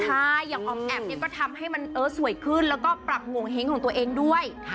ใช่อย่างอ๋อมแอบเนี่ยก็ทำให้มันสวยขึ้นแล้วก็ปรับโงเห้งของตัวเองด้วย